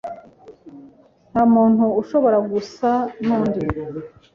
nta muntu ushobora gusa n’undi.